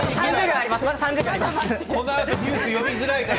このあとニュースが読みづらいから。